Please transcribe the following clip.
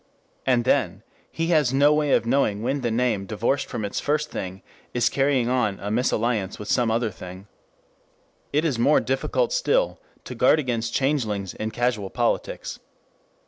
And then he has no way of knowing when the name divorced from its first thing is carrying on a misalliance with some other thing. It is more difficult still to guard against changelings in casual politics.